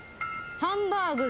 ハンバーグ。